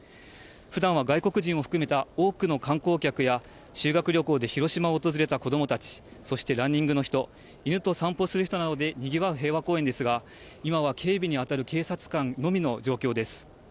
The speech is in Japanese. ふだんは外国人を含めた多くの観光客や、修学旅行で広島を訪れた子どもたち、そしてランニングの人、犬と散歩をする人などでにぎわう平和公園ですが、今は警備に当たる警察官のみの状況です。